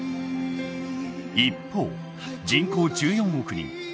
一方人口１４億人